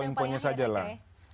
poin poinnya saja lah